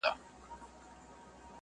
موږ لمرپلوي، دا رنځوره سپوږمۍ